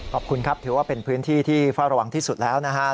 ขอบคุณครับถือว่าเป็นพื้นที่ที่เฝ้าระวังที่สุดแล้วนะครับ